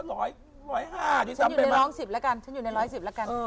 อ่ะผมอยู่ในล้อง๑๐แล้วกันฉันอยู่ใน๑๑๐แล้วกัน